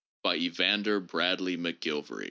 Evander Bradley McGilvary.